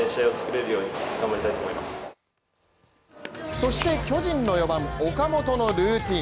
そして巨人の４番・岡本のルーティン。